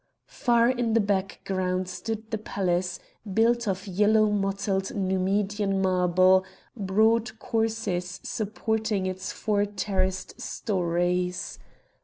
Far in the background stood the palace, built of yellow mottled Numidian marble, broad courses supporting its four terraced stories.